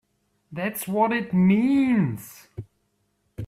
That's what it means!